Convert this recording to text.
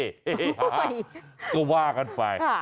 เฮฮาก็ว่ากันไป